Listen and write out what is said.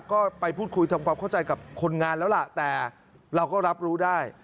ก็ไปพูดคุยทำความเข้าใจกับคนงานแล้วล่ะแต่เราก็รับรู้ได้